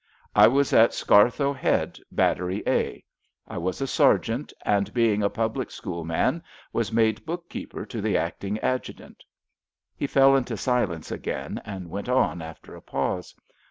I was at Scarthoe Head, Battery A. I was a sergeant, and, being a public school man, was made book keeper to the acting adjutant." He fell into silence again, and went on after a pause.